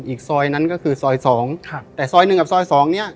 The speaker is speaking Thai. อีกซอยนั้นก็คือซอยสองครับแต่ซอยหนึ่งกับซอยสองเนี้ย